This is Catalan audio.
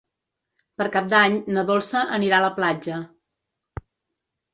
Per Cap d'Any na Dolça anirà a la platja.